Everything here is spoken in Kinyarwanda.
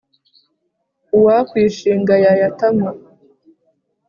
Uwakwishinga yayatamo